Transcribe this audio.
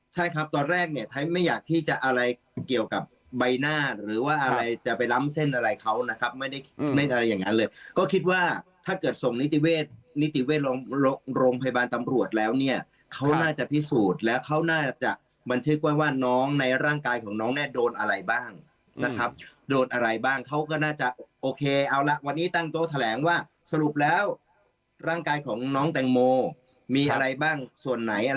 ใช่ครับตอนแรกเนี่ยไทยไม่อยากที่จะอะไรเกี่ยวกับใบหน้าหรือว่าอะไรจะไปล้ำเส้นอะไรเขานะครับไม่ได้ไม่ได้อย่างนั้นเลยก็คิดว่าถ้าเกิดส่งนิติเวทนิติเวทลงโรงพยาบาลตำรวจแล้วเนี่ยเขาน่าจะพิสูจน์แล้วเขาน่าจะบันทึกว่าน้องในร่างกายของน้องแน่โดนอะไรบ้างนะครับโดนอะไรบ้างเขาก็น่าจะโอเคเอาละวันนี้ตั้งโตแถลงว่